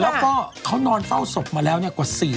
แล้วก็เขานอนเฝ้าศพมาแล้วกว่า